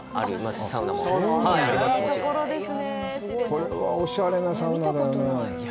これはおしゃれなサウナだよね。